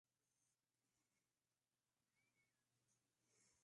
Los productos agrícolas son: trigo, maíz, pipas de girasol y remolacha azucarera.